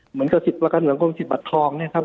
เหมือนกับสิทธิประกันสังคมสิทธบัตรทองเนี่ยครับ